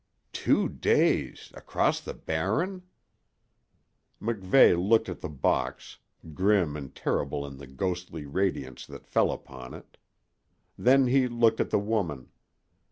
"Two days across the Barren!" MacVeigh looked at the box, grim and terrible in the ghostly radiance that fell upon it. Then he looked at the woman.